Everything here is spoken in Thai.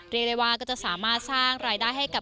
เรียกได้ว่าก็จะสามารถสร้างรายได้ให้กับ